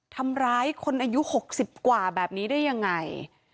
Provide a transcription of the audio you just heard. ทำร้ายคนอายุ๖๐กว่าแบบนี้ได้ยังไง